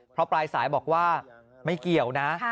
เพราะปลายสายบอกว่าไม่เกี่ยวนะ